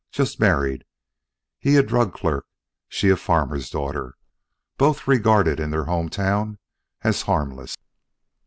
Just married. He a drug clerk, she a farmer's daughter. Both regarded in their home town as harmless.